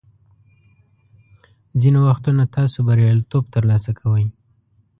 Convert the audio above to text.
ځینې وختونه تاسو بریالیتوب ترلاسه کوئ.